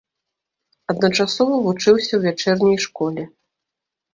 Адначасова вучыўся ў вячэрняй школе.